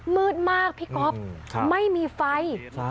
มืดมากพี่ก๊อฟไม่มีไฟ